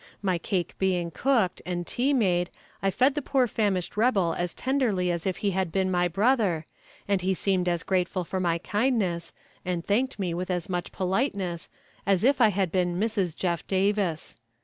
My cake being cooked, and tea made, I fed the poor famished rebel as tenderly as if he had been my brother, and he seemed as grateful for my kindness, and thanked me with as much politeness, as if I had been Mrs. Jeff Davis.